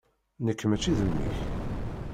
Nekk mačči d mmi-k.